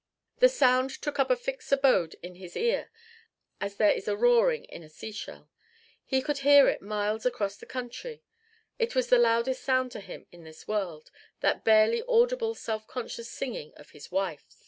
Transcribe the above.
The sound took up a fixed abode in his ear as there is a roaring in a seashell. He could hear it miles across the country; it was the loudest sound to him in this world that barely audible self conscious singing of his wife.